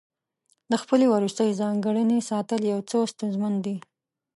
د خپلې وروستۍ ځانګړنې ساتل یو څه ستونزمن دي.